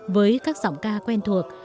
với các giọng ca quen thuộc